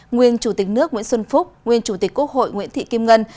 nguyên chủ tịch nước nguyễn xuân phúc nguyên chủ tịch quốc hội nguyễn thị kim ngân